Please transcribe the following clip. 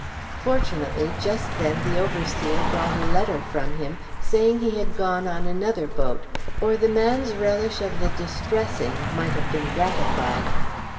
Fortunately, just then the overseer brought a letter from him saying he had gone on another boat, or the man's relish of the distressing might have been gratified.